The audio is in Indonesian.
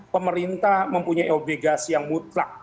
pemerintah mempunyai obligasi yang mutlak